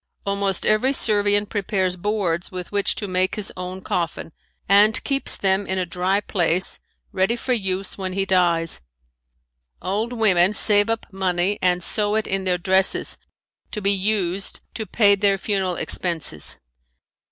Almost every Servian prepares boards with which to make his own coffin and keeps them in a dry place ready for use when he dies. Old women save up money and sew it in their dresses, to be used to pay their funeral expenses.